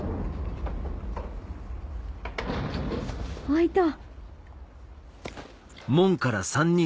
開いた！